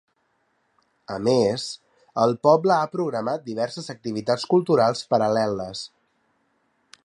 A més, el poble ha programat diverses activitats culturals paral·leles.